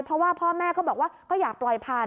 เพราะว่าพ่อแม่ก็บอกว่าก็อยากปล่อยผ่าน